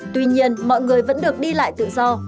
tuy nhiên mọi người vẫn được đi lại tự do